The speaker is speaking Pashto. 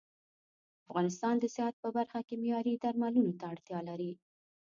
افغانستان د صحت په برخه کې معياري درملو ته اړتيا لري